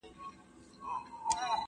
هره ورځ یې شکایت له غریبۍ وو `